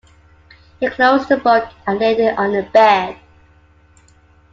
He closed the book, and laid it on the bed.